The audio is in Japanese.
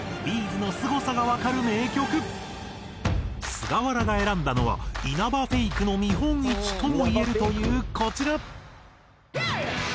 菅原が選んだのは稲葉フェイクの見本市とも言えるというこちら。